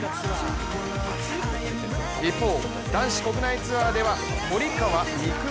一方、男子国内ツアーでは堀川未来